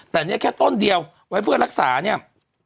แต่เนี่ยแค่ต้นเดียวไว้เพื่อรักษาเนี่ย